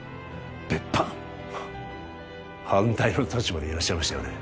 別班反対の立場でいらっしゃいましたよね